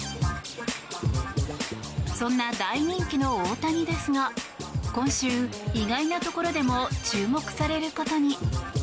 そんな大人気の大谷ですが今週、意外なところでも注目されることに。